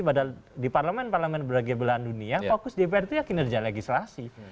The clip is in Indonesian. padahal di parlement parlement beragam belahan dunia fokus dpr itu ya kinerja legislasi